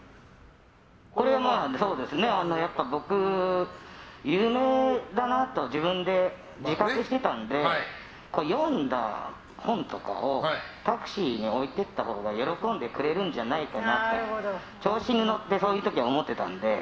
これは、やっぱり僕、有名だなと自分で自覚してたので読んだ本とかをタクシーに置いていったほうが喜んでくれるんじゃないかなと調子に乗ってそういう時は思ってたので。